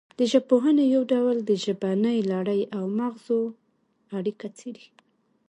د ژبپوهنې یو ډول د ژبنۍ لړۍ او مغزو اړیکه څیړي